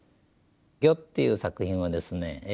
「ギョ」っていう作品はですね